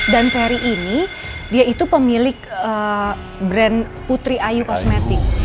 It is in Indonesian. dan ferry ini dia itu pemilik brand putri ayu cosmetics